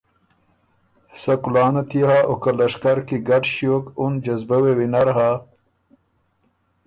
سۀ کُلانه تيې هۀ او که لشکر کی ګډ ݭیوک اُن جذبۀ وې وینر هۀ